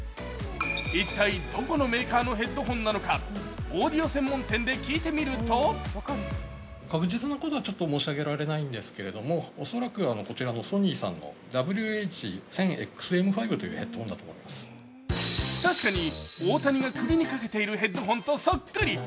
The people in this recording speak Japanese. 一体どこのメーカーのヘッドホンなのかオーディオ専門店で聞いてみると確かに、大谷が首にかけているヘッドホンとそっくり。